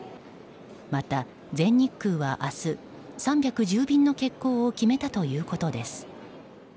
また全日空は明日３１０便の欠航を決めたということです。